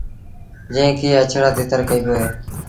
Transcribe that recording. جݩهݩ کي اَڇڙآ تتر ڪهيبو اهي۔